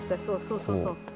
そうそうそうそう。